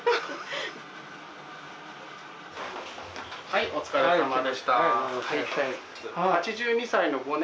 はいお疲れさまでした。